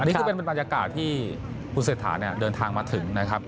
นี่คือเป็นบรรยากาศที่คุณเศรษฐาเนี่ยเดินทางมาถึงนะครับ